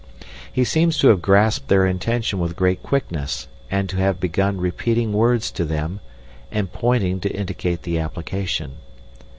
He seems to have grasped their intention with great quickness, and to have begun repeating words to them and pointing to indicate the application.